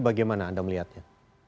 bagaimana anda melihatnya